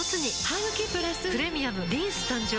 ハグキプラス「プレミアムリンス」誕生